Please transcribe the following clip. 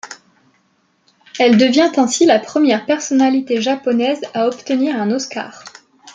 Elle devient ainsi la première personnalité japonaise à obtenir un Oscar.